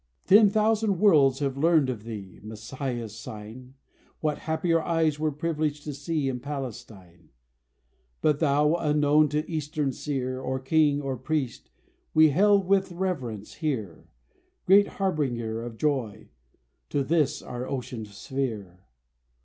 Ten thousand worlds have learned of thee (Messiah's sign), What happier eyes were privileged to see In Palestine. But thou, unknown to Eastern seer, Or king, or priest we hail with reverence here Great harbinger of joy; to this our Ocean sphere!